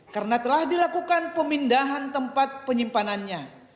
karena telah dilakukan pemindahan tempat penyimpanannya